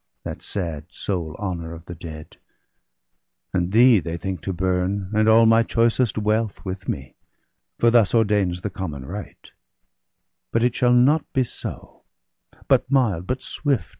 That sad, sole honour of the dead; and thee They think to burn, and all my choicest weakh, With me, for thus ordains the common rite. But it shall not be so; but mild, but swift.